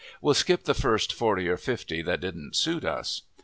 We'll skip the first forty or fifty that didn't suit us.